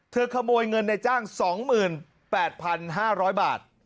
ขโมยเงินในจ้าง๒๘๕๐๐บาท